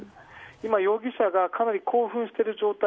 今、容疑者がかなり興奮している状態